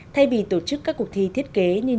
thay vì tổ chức các cuộc thi thiết kế như